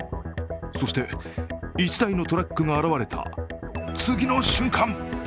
そして、１台のトラックが現れた次の瞬間！